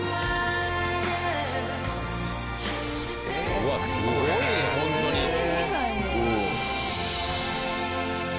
うわっすごいねホントに何これ？